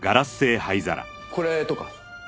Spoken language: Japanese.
これとか。